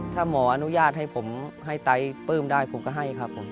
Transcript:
ถ้าหมออนุญาตให้ผมให้ไต้ปลื้มได้ผมก็ให้ครับผม